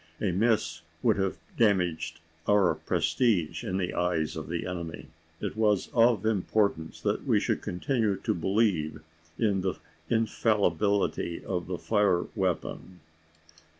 A miss would have damaged our prestige in the eyes of the enemy. It was of importance that they should continue to believe in the infallibility of the fire weapon.